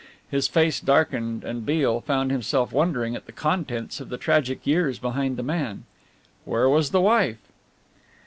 His face darkened, and Beale found himself wondering at the contents of the tragic years behind the man. Where was the wife...?